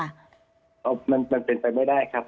มันเป็นไปไม่ได้ครับ